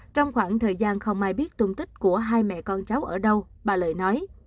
trong khoảng thời gian không ai biết tung tích của hai mẹ con cháu ở đâu bà lợi nói